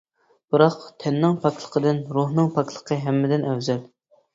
بىراق، تەننىڭ پاكلىقىدىن روھنىڭ پاكلىقى ھەممىدىن ئەۋزەل.